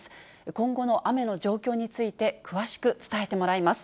今後の雨の状況について、詳しく伝えてもらいます。